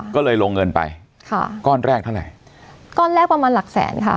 ก็เลยลงเงินไปค่ะก้อนแรกเท่าไหร่ก้อนแรกประมาณหลักแสนค่ะ